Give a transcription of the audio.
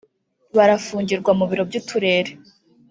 barafungirwa mubiro by’uturere